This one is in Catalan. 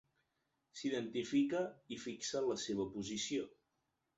S'identifica i fixa la seva posició.